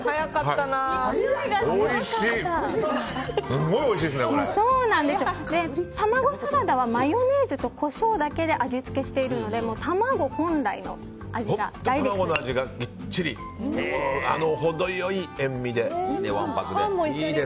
たまごサラダはマヨネーズとコショウだけで味付けしているので卵本来の味がダイレクトに。